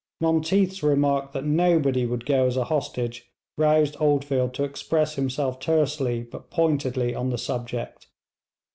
Monteath's remark that nobody would go as a hostage roused Oldfield to express himself tersely but pointedly on the subject.